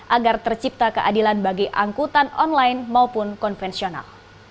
agar tercipta keadilan bagi angkutan online maupun konvensional